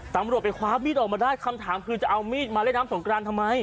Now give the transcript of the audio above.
ตำรวจไปคว้ามีดออกมาได้คำถามคือจะเอามีดมาเล่นน้ำสงกรานทำไม